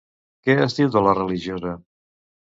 Què es diu de la religiosa?